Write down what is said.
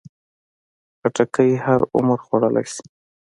خټکی هر عمر خوړلی شي.